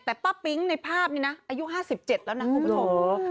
แต่ป้าปิ๊งในภาพนี้นะอายุห้าสิบเจ็ดแล้วนะคุณผู้ผู้โภค